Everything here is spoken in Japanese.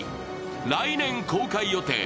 来年公開予定。